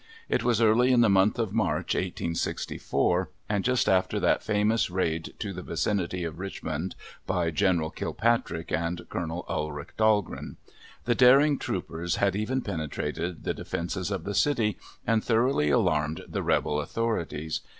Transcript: It was early in the month of March, 1864, and just after that famous raid to the vicinity of Richmond by Gen. Kilpatrick and Col. Ulrich Dahlgren. The daring troopers had even penetrated the defences of the city and thoroughly alarmed the Rebel authorities.